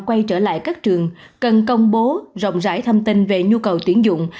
quay trở lại các trường cần công bố rộng rãi thông tin về nhu cầu tuyển dụng